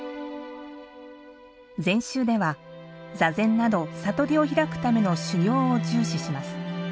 禅宗では、座禅など悟りを開くための修行を重視します。